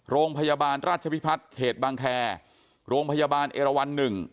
โรงพยาบาลราชพิพัฒน์เขตบางแคร์โรงพยาบาลเอราวัน๑